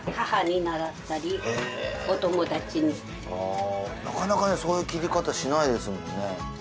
なかなかねそういう切り方しないですもんね。